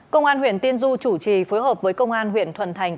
công an huyện tiên du chủ trì phối hợp với công an huyện thuận thành